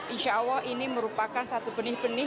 insya allah ini merupakan satu benih benih